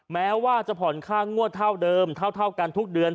แม้ว่าจะผ่อนค่างวดเท่าเดิมเท่ากันทุกเดือน